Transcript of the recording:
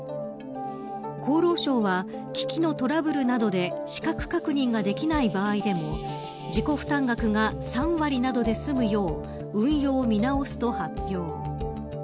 厚労省は機器のトラブルなどで資格確認ができない場合でも自己負担額が３割などで済むよう運用を見直すと発表。